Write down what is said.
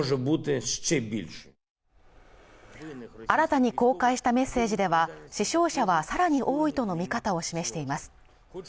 新たに公開したメッセージでは死傷者はさらに多いとの見方を示しています